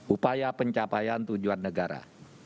upaya pencapaian tujuan negara